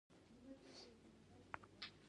ښوونځی د ملګرتیا خوند لري